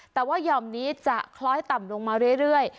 แต่ว่าหย่อมนี้จะคล้อยต่ำลงมาเรื่อย